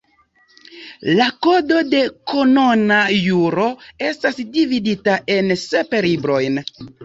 La Kodo de Kanona Juro estas dividita en sep librojn.